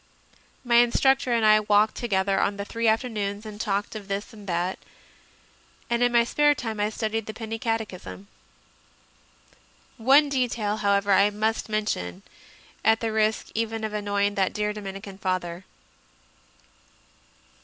My instructor and I walked together on the three afternoons and talked of this and that, and in my spare time I studied the Penny Catechism. One detail, however, I must mention, at the risk even of annoying that dear Dominican Father.